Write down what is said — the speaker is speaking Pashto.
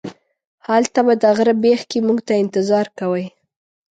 هلته به د غره بیخ کې موږ ته انتظار کوئ.